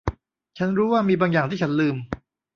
ฉันรู้ว่ามีบางอย่างที่ฉันลืม